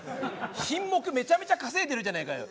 品目めちゃめちゃ稼いでるじゃねえかよ。